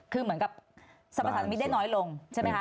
คือเหมือนกับสรรพสามิตรได้น้อยลงใช่ไหมคะ